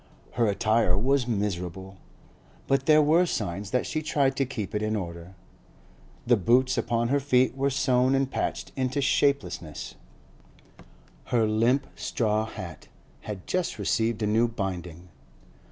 Her attire was miserable, but there were signs that she tried to keep it in order; the boots upon her feet were sewn and patched into shapelessness; her limp straw hat had just received a new binding.